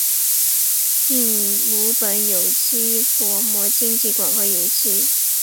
并五苯有机薄膜晶体管和有机场效应晶体管的研究是一个热门领域。